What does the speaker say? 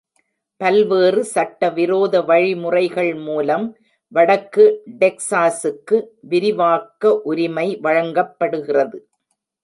பல்வேறு சட்டவிரோத வழிமுறைகள் மூலம், வடக்கு டெக்சாஸுக்கு விரிவாக்க உரிமையை வழங்கப்படுகிறது.